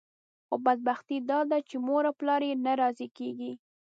خو بدبختي داده چې مور او پلار یې نه راضي کېږي.